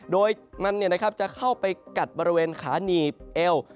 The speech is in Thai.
โดยมันจะเข้าไปกัดบริเวณขาหนีบเอว